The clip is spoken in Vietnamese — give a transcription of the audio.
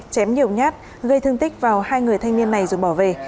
chém nhiều nhát gây thương tích vào hai người thanh niên này rồi bỏ về